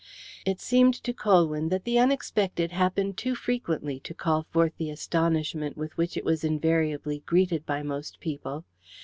It seemed to Colwyn that the unexpected happened too frequently to call forth the astonishment with which it was invariably greeted by most people.